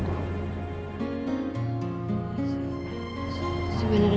kayaknya lu gini deh